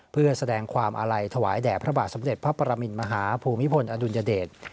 เพื่อแสดงความอาลัยถวายแด่พระบาทสมเด็จพระปรมินมหาภูมิพลอดุลยเดช